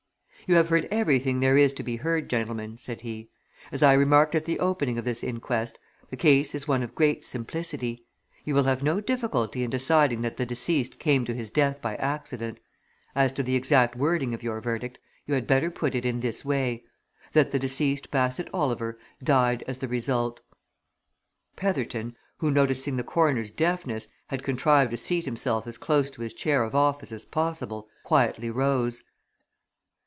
"You have heard everything there is to be heard, gentlemen," said he. "As I remarked at the opening of this inquest, the case is one of great simplicity. You will have no difficulty in deciding that the deceased came to his death by accident as to the exact wording of your verdict, you had better put it in this way: that the deceased Bassett Oliver died as the result " Petherton, who, noticing the coroner's deafness, had contrived to seat himself as close to his chair of office as possible, quietly rose.